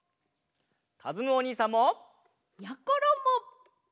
かずむおにいさんも！やころも！